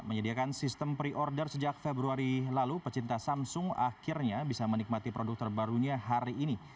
menyediakan sistem pre order sejak februari lalu pecinta samsung akhirnya bisa menikmati produk terbarunya hari ini